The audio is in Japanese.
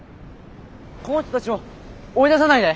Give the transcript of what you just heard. この人たちを追い出さないで！